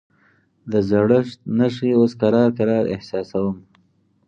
د زړښت نښې اوس کرار کرار احساسوم.